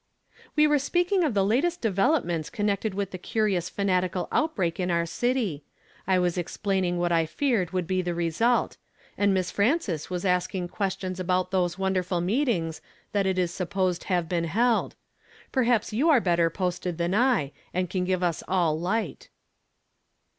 "We were speaking of the latest developments connected with the curious fanatical outbreak in our city. I was explaining what I feared would be the result ; and Miss Frances was asking ques tions about those wonderful meetings that it is supposed have been held. Perhaps you are better posted than I, and can give us all light."